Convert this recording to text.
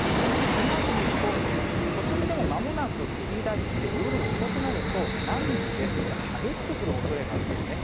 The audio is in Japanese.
このあと見ると、都心でもまもなく降りだして、夜遅くなると、南部でこれ、激しく降るおそれがあるんですね。